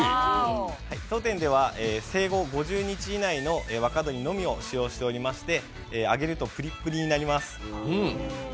当店では生後５０日以内の若鶏のみを使用していまして、揚げるとぷりぷりになります。